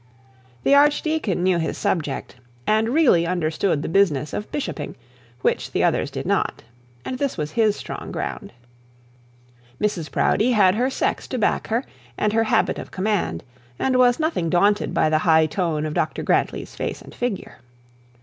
The archdeacon knew his subject, and really understood the business of bishoping, which the others did not; and this was his strong ground. Mrs Proudie had her sex to back her, and her habit of command, and was nothing daunted by the high tone of Dr Grantly's face and figure.